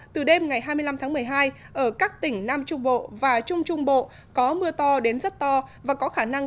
từ đêm ngày hai mươi năm tháng một mươi hai ở các tỉnh nam trung bộ và trung trung bộ có mưa to đến rất to và có khả năng